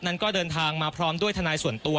นั้นก็เดินทางมาพร้อมด้วยทนายส่วนตัว